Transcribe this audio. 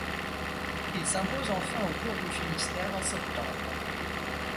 Il s'impose enfin au Tour du Finistère en septembre.